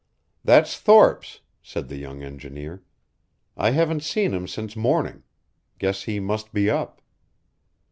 "That's Thorpe's," said the young engineer. "I haven't seen him since morning. Guess he must be up."